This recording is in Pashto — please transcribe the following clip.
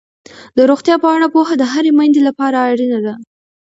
د روغتیا په اړه پوهه د هرې میندې لپاره اړینه ده.